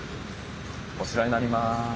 こちらになります。